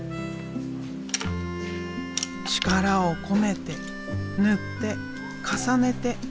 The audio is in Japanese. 力を込めて塗って重ねて。